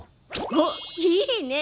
おっいいね！